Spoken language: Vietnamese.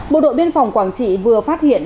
bộ đội biên phòng quảng trị vừa phát hiện